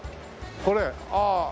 これああ。